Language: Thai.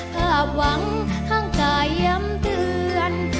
ภาพหวังข้างกายย้ำเตือน